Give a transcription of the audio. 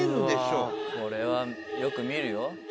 これはよく見るよ。